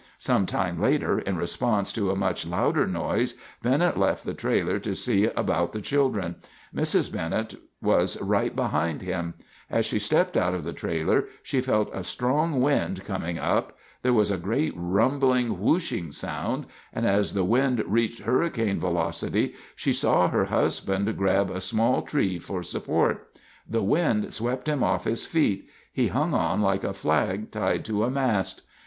Some time later, in response to a much louder noise, Bennett left the trailer to see about the children. Mrs. Bennett was right behind him. As she stepped out of the trailer, she felt a strong wind coming up. There was a great rumbling, whooshing sound, and as the wind reached hurricane velocity she saw her husband grab a small tree for support. The wind swept him off his feet—he hung on like a flag tied to a mast.